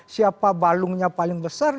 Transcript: siapa balungnya paling besar